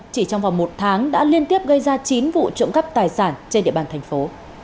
chỉ trong vòng một tháng đã liên tiếp gây ra chín vụ trộm cắp tài sản trên địa bàn thành phố